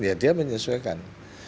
ya dia menyesuaikan